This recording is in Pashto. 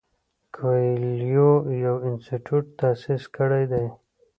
کویلیو یو انسټیټیوټ تاسیس کړی دی.